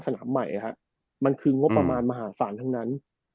ต่อสนามใหม่ค่ะมันคืองบังบากมาหาศาลเท่านั้น